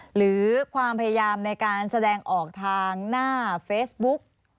หรือความพยายามในการแสดงออกทางหน้าเฟซบุ๊ก